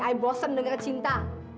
ayah bosen dengar cinta